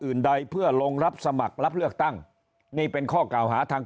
อื่นใดเพื่อลงรับสมัครรับเลือกตั้งนี่เป็นข้อกล่าวหาทาง